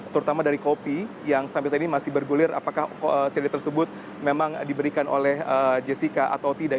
terutama dari kopi yang sampai saat ini masih bergulir apakah seri tersebut memang diberikan oleh jessica atau tidak